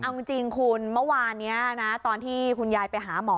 เอาจริงคุณเมื่อวานนี้นะตอนที่คุณยายไปหาหมอ